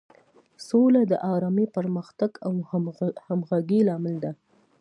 سوله د ارامۍ، پرمختګ او همغږۍ لامل ده.